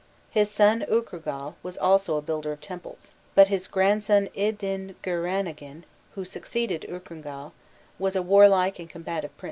His son Akurgal was also a builder of temples, but his grandson Idingiranagin, who succeeded Akurgal, was a warlike and combative prince.